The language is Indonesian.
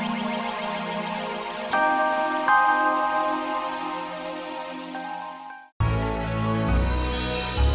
dari dukungan my secret to my chic